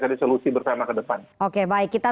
ada solusi bersama kedepan oke baik kita